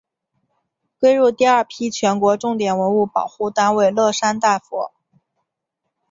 归入第二批全国重点文物保护单位乐山大佛。